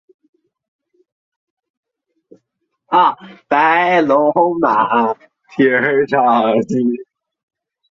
苍山香茶菜为唇形科香茶菜属下的一个种。